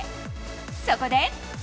そこで。